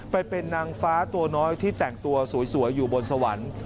ไปเป็นนางฟ้าตัวน้อยที่แต่งตัวสวยอยู่บนสวรรค์